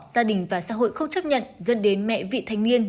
gia đình và xã hội không chấp nhận dẫn đến mẹ vị thanh niên